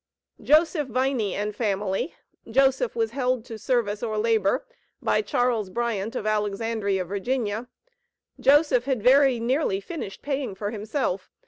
Joseph Viney and family Joseph was "held to service or labor," by Charles Bryant, of Alexandria, Va. Joseph had very nearly finished paying for himself.